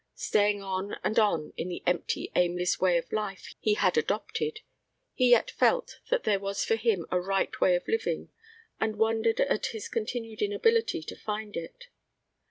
Staying on and on in the empty, aimless way of life he had adopted he yet felt that there was for him a right way of living and wondered at his continued inability to find it.